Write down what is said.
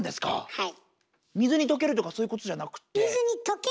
はい。